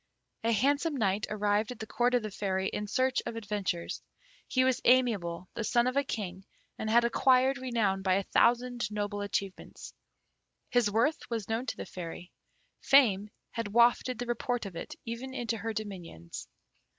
A handsome Knight arrived at the Court of the Fairy in search of adventures. He was amiable, the son of a king, and had acquired renown by a thousand noble achievements. His worth was known to the Fairy. Fame had wafted the report of it even into her dominions.